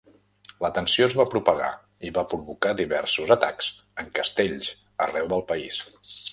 La tensió es va propagar i va provocar diversos atacs en castells arreu del país.